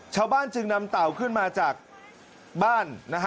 ชาวบ้านจึงนำเต่าขึ้นมาจากบ้าน